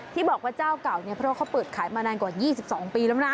ที่บอกว่าเจ้าเก่าเนี่ยเพราะว่าเขาเปิดขายมานานกว่า๒๒ปีแล้วนะ